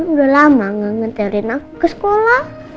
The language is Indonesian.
udah lama nggak nganterin aku ke sekolah